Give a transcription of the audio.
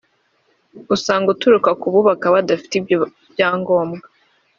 usanga uturuka ku bubaka badafite ibyangombwa